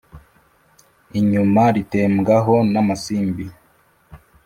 inyuma ritembwa ho n’amasimbi,